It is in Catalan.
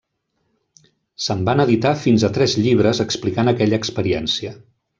Se'n van editar fins a tres llibres explicant aquella experiència.